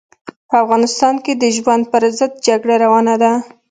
په افغانستان کې د ژوند پر ضد جګړه روانه ده.